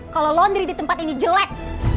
kalau londri ditempat ini jelek